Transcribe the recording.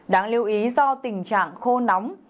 đáng lưu ý do tình trạng khô nóng